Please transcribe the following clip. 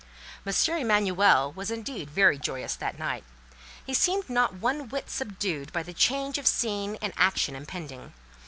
M. Emanuel was indeed very joyous that night. He seemed not one whit subdued by the change of scene and action impending.